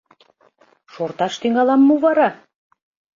Шорташ тӱҥалам мо вара?